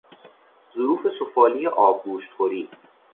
ظروف سفالی آبگوشت خوری